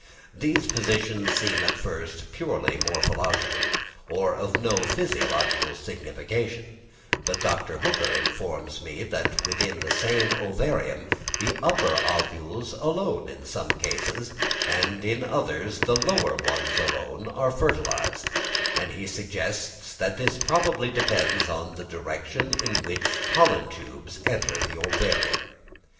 These positions seem at first purely morphological, or of no physiological signification; but Dr. Hooker informs me that within the same ovarium the upper ovules alone in some cases, and in others the lower ones alone are fertilised; and he suggests that this probably depends on the direction in which the pollen tubes enter the ovarium.